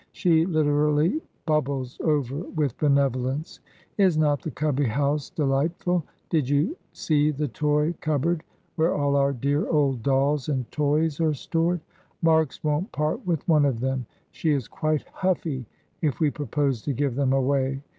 She literally bubbles over with benevolence. Is not the Cubby house delightful? Did you see the toy cupboard, where all our dear old dolls and toys are stored? Marks won't part with one of them; she is quite huffy if we propose to give them away.